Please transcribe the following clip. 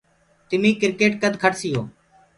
تمي ڪريٽ ڪد کٽسيو؟